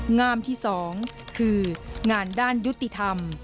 งามที่๒คืองานด้านยุติธรรม